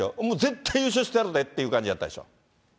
もう絶対優勝してやるぜっていう感じだったでしょ。